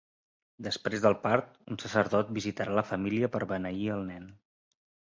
Després del part, un sacerdot visitarà la família per beneir el nen.